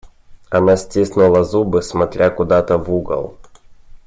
Она стиснула зубы, смотря куда-то в угол.